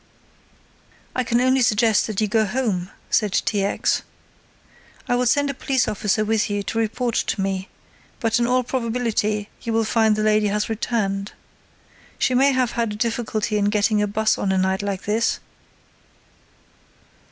"I can only suggest that you go home," said T. X. "I will send a police officer with you to report to me, but in all probability you will find the lady has returned. She may have had a difficulty in getting a bus on a night like this."